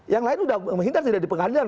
yang lain sudah menghindar tidak di pengadilan